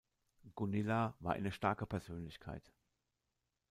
Gunilla war eine starke Persönlichkeit.